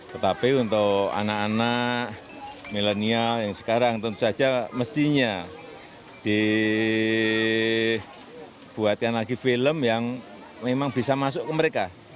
tetapi untuk anak anak milenial yang sekarang tentu saja mestinya dibuatkan lagi film yang memang bisa masuk ke mereka